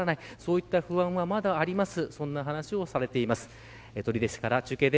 そういった不安はまだあります